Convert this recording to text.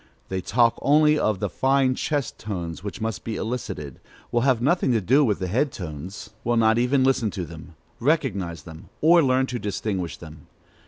They talk only of the fine chest tones which must be elicited, will have nothing to do with the head tones, will not even listen to them, recognize them, or learn to distinguish them.